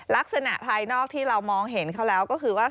ภายนอกที่เรามองเห็นเขาแล้วก็คือว่า